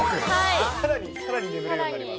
さらに眠れるようになります。